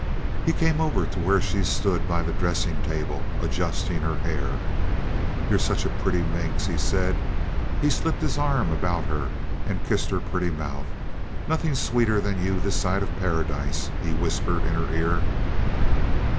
He came over to where she stood by the dressing table, adjusting her hair. "You're such a pretty minx," he said. He slipped his arm about her and kissed her pretty mouth. "Nothing sweeter than you this side of Paradise," he whispered in her ear.